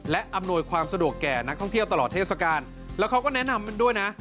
และอำนวยความสะดวกแก่นักท่องเที่ยวตลอดเทศกาลแล้วเขาก็แนะนำมันด้วยนะ